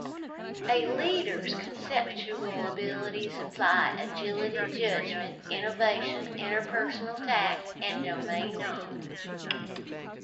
A leader's conceptual abilities apply agility, judgment, innovation, interpersonal tact, and domain knowledge.